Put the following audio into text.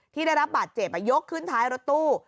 ที่ได้รับบาดเจ็บยกขึ้นท้ายรถตู้